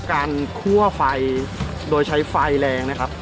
คั่วไฟโดยใช้ไฟแรงนะครับ